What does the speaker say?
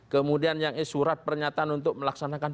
kemudian yang surat pernyataan untuk melaksanakan